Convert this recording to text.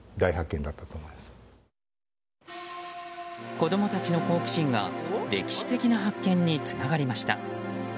子供たちの好奇心が歴史的な発見につながりました。